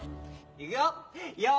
いくよ！